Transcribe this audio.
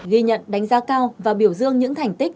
ghi nhận đánh giá cao và biểu dương những thành tích